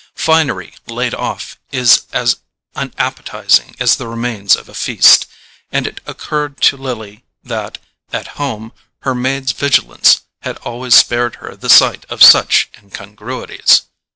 Finery laid off is as unappetizing as the remains of a feast, and it occurred to Lily that, at home, her maid's vigilance had always spared her the sight of such incongruities.